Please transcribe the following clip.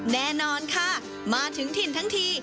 แน่นอนค่ะมาถึงถิ่นทั้งที